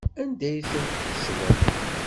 Anda ay tent-tḥesbem?